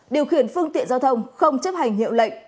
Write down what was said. điều khiển phương tiện giao thông không chấp hành hiệu lệnh